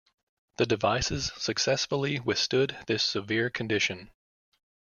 The devices successfully withstood this severe condition.